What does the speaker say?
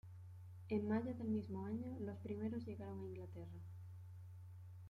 En mayo del mismo año los primeros llegaron a Inglaterra.